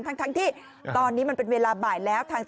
ทั้งที่ตอนนี้มันเป็นเวลาบ่ายแล้ว